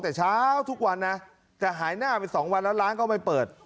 แต่เช้าทุกวันนะแต่หายหน้าไปสองวันแล้วร้านก็ไม่เปิด